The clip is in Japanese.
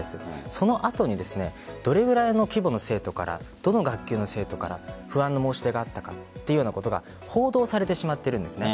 その後にどれぐらいの規模の生徒からどの学級の生徒から不安の申し出があったかというようなことが報道されてしまっているんです。